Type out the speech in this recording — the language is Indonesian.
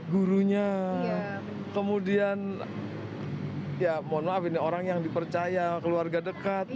gurunya kemudian ya mohon maaf ini orang yang dipercaya keluarga dekat